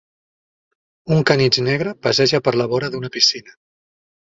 Un canitx negre passeja per la vora d'una piscina.